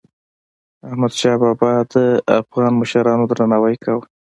احمدشاه بابا د افغان مشرانو درناوی کاوه.